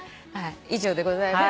以上でございます。